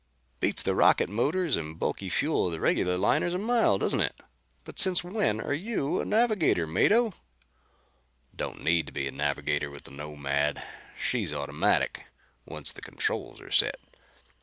"Beats the rocket motors and bulky fuel of the regular liners a mile, doesn't it? But since when are you a navigator, Mado?" "Don't need to be a navigator with the Nomad. She's automatic, once the controls are set.